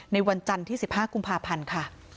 ในวันจันที่๑๕กุมภาพันธ์